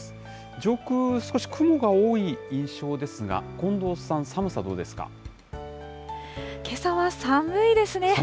上空、少し雲が多い印象ですが、近藤さん、けさは寒いですね。